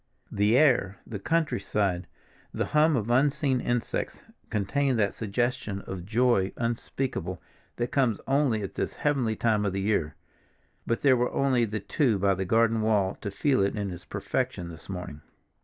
The air, the countryside, the hum of unseen insects, contained that suggestion of joy unspeakable that comes only at this heavenly time of the year, but there were only the two by the garden wall to feel it in its perfection this morning.